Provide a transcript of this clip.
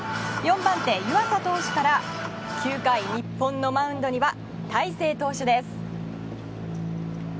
４番手、湯浅投手から９回、日本のマウンドには大勢投手です。